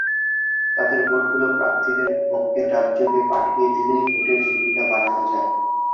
তাঁদের ভোটগুলো প্রার্থীদের পক্ষে ডাকযোগে পাঠিয়ে দিলেই ভোটের ঝুলিটা বাড়ানো যায়।